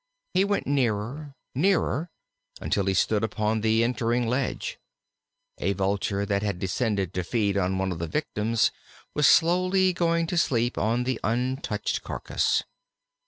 He went nearer, nearer, until he stood upon the entering ledge. A Vulture that had descended to feed on one of the victims was slowly going to sleep on the untouched carcass.